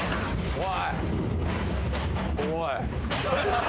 おい。